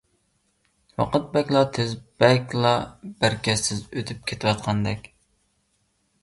ۋاقىت بەكلا تېز، بەكلا بەرىكەتسىز ئۆتۈپ كېتىۋاتقاندەك.